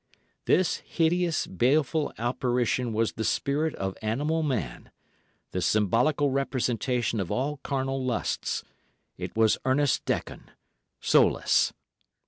This hideous, baleful apparition was the spirit of animal man, the symbolical representation of all carnal lusts—it was Ernest Dekon—soulless.